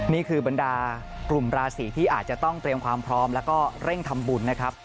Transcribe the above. นี่คือบรรดากลุ่มราศีที่อาจจะต้องเตรียมความพร้อมแล้วก็เร่งทำบุญนะครับ